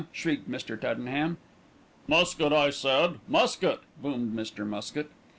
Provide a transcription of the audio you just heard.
shrieked Mr. Tuddenham. "Muskett, I said, Muskett!" boomed Mr. Muskett.